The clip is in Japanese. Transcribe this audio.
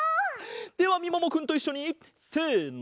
ではみももくんといっしょにせの。